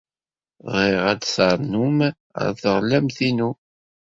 Bɣiɣ ad d-ternum ɣer teɣlamt-inu.